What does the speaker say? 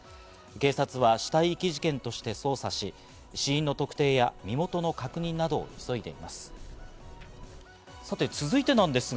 警察は死体遺棄事件として捜査し、死因の特定や身元の確認などを急いでいます。